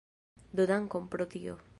Do dankon pro tio.